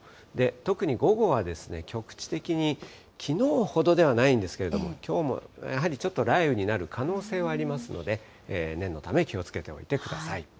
特に午後は局地的にきのうほどではないんですけれども、きょうもやはりちょっと雷雨になる可能性はありますので、念のため気をつけておいてください。